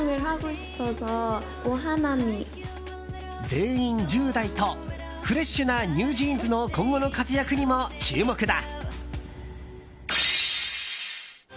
全員１０代とフレッシュなＮｅｗＪｅａｎｓの今後の活躍にも注目だ！